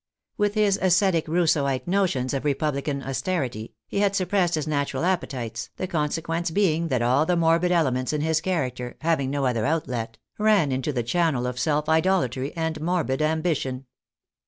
With his ascetic Rous seauite notions of republican austerity, he had suppressed his natural appetites, the consequence being that all the morbid elements in his character, having no other outlet, ran into the channel of self idolatry and morbid ambition.